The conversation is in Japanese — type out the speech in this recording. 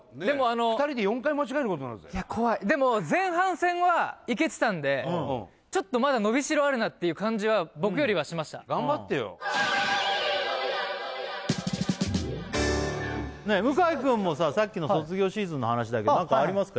２人で４回間違えることになるぜいや怖いでもちょっとまだのびしろあるなっていう感じは僕よりはしました頑張ってよ向井くんもささっきの卒業シーズンの話だけど何かありますか？